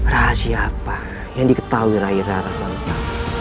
rahasia apa yang diketahui raih rahi rasamu